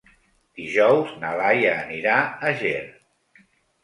Dijous na Laia anirà a Ger.